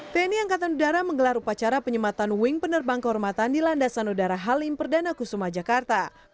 tni angkatan udara menggelar upacara penyematan wing penerbang kehormatan di landasan udara halim perdana kusuma jakarta